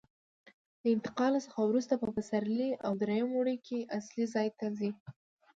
له انتقال څخه وروسته په پسرلي او درېیم اوړي کې اصلي ځای ته ځي.